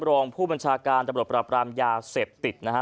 รองผู้บัญชาการตำรวจปราบรามยาเสพติดนะฮะ